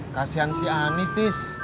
kasian si ami tis